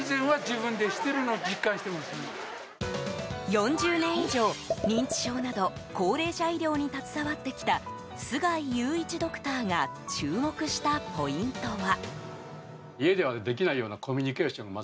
４０年以上、認知症など高齢者医療に携わってきた須貝佑一ドクターが注目したポイントは。